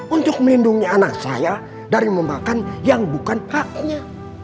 untuk melindungi anak saya dari memakan yang bukan haknya